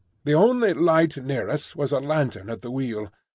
The only light near us was a lantern at the wheel.